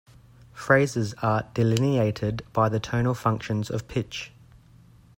Phrases are delineated by the tonal functions of pitch.